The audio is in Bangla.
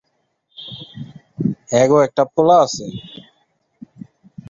তাদের এক পুত্র সন্তান রয়েছে।